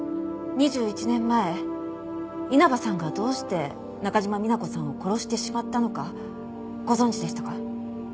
２１年前稲葉さんがどうして中島美奈子さんを殺してしまったのかご存じでしたか？